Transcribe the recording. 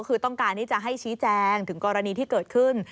คือต้องการที่จะให้ชี้แจงถึงกรณีที่เกิดขึ้น